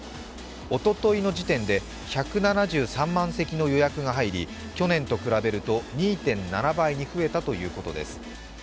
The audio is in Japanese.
おとといの時点で１７３万席の予約が入り去年と比べると２．７倍に増えたということです。